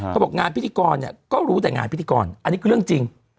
เขาบอกงานพิธีกรเนี่ยก็รู้แต่งานพิธีกรอันนี้คือเรื่องจริง